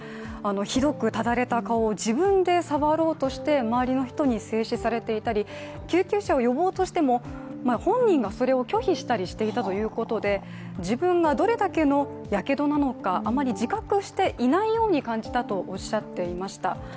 ひどくただれた顔を自分で触ろうとして周りの人に制止されていたり、救急車を呼ぼうとしても本人がそれを拒否したりしていたということで自分がどれだけのやけどなのか、あまり自覚していないように感じたとおっしゃっていました。